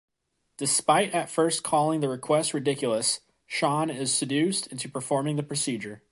Despite at first calling the request ridiculous, Sean is seduced into performing the procedure.